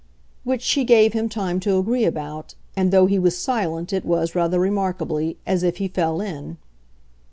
Which she gave him time to agree about; and though he was silent it was, rather remarkably, as if he fell in.